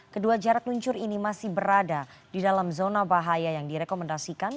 kedua jarak luncur ini masih berada di dalam zona bahaya yang direkomendasikan